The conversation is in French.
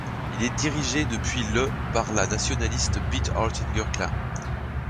Il est dirigé depuis le par la nationaliste Beate Hartinger-Klein.